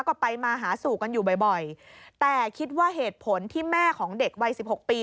ก็ไปมาหาสู่กันอยู่บ่อยบ่อยแต่คิดว่าเหตุผลที่แม่ของเด็กวัยสิบหกปี